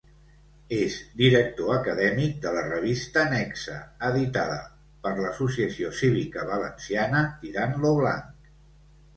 És director acadèmic de la revista Nexe, editada per l'Associació Cívica Valenciana Tirant lo Blanc.